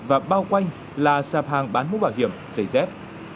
và bao quanh là sạp hàng bán mũ bảo hiểm giày dép